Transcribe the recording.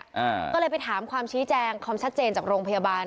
อ่าก็เลยไปถามความชี้แจงความชัดเจนจากโรงพยาบาล